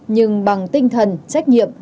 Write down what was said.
nhưng bằng tinh thần trách nhiệm